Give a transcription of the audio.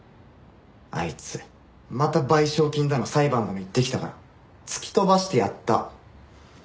あいつまた賠償金だの裁判だの言ってきたから突き飛ばしてやった。